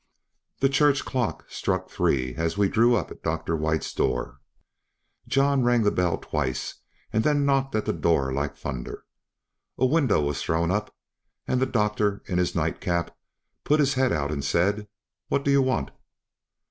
The church clock struck three as we drew up at Dr. White's door. John rang the bell twice, and then knocked at the door like thunder. A window was thrown up, and the doctor, in his night cap, put his head out and said, "What do you want?"